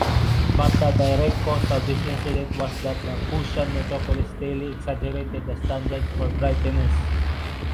But the direct cause of this incident was that the Chutian metropolis Daily exaggerated the standards for brighteners.